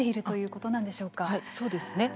そうですね。